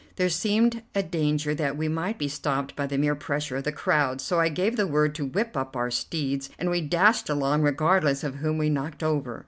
There seemed a danger that we might be stopped by the mere pressure of the crowd, so I gave the word to whip up our steeds, and we dashed along, regardless of whom we knocked over.